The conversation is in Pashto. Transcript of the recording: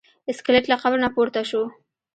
سکلیټ له قبر نه پورته شو.